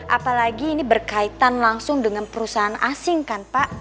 apalagi ini berkaitan langsung dengan perusahaan asing kan pak